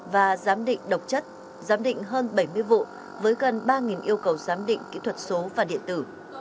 và giám định độc chất giám định hơn bảy mươi vụ với gần ba yêu cầu giám định kỹ thuật số và điện tử